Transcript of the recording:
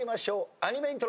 アニメイントロ。